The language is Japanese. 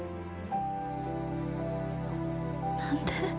何で？